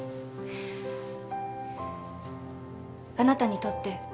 あなたにとって